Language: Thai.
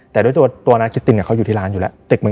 แต่ด้วยตัวนาคิตตินเขาอยู่ที่ร้านอยู่แล้ว